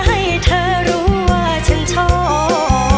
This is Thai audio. ให้เธอเข้าใจฉันเลย